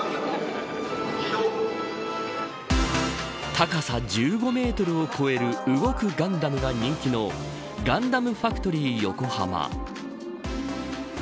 高さ１５メートルを超える動くガンダムが人気のガンダムファクトリーヨコハマ。